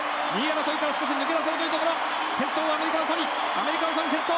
アメリカのソニ先頭。